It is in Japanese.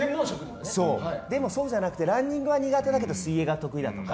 でもそうじゃなくてランニングは苦手だけど水泳は得意だとか。